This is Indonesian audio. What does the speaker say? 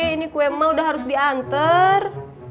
ini gue mah udah harus diantar